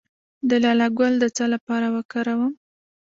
د لاله ګل د څه لپاره وکاروم؟